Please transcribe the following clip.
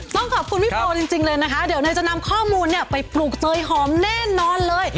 ต้องขอบคุณพี่โปจริงเลยนะคะเดี๋ยวนายจะนำข้อมูลเนี่ยไปปลูกเตยหอมแน่นอนเลย